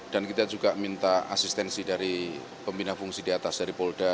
dan kita juga minta asistensi dari pembina fungsi di atas dari polda